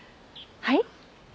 はい？